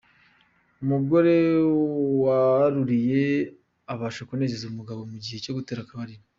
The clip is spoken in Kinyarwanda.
Umugore waruriye abasha kunezeza umugabo mu gihe cyo gutera akabariro.